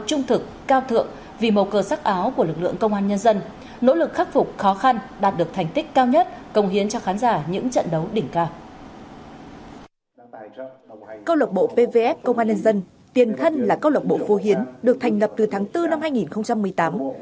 câu lạc bộ pvf công an nhân dân tiền thân là câu lạc bộ phô hiến được thành lập từ tháng bốn năm hai nghìn một mươi tám